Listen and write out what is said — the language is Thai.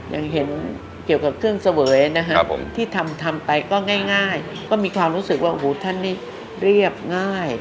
ยังเห็นเกี่ยวกับเครื่องเสวยนะครับผมที่ทำทำไปก็ง่ายก็มีความรู้สึกว่าท่านนี่เรียบง่าย